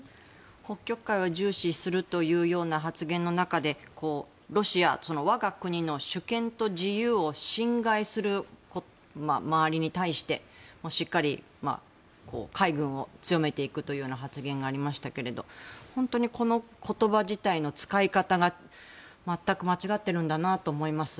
北極海を重視するというような発言の中でロシア我が国の主権と自由を侵害する周りに対してしっかり海軍を強めていくというような発言がありましたが本当にこの言葉自体の使い方が全く間違っているんだなと思います。